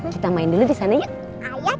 kita main dulu disana